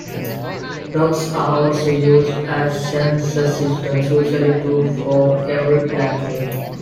Dogs are also used as sensor systems, usually two for every platoon.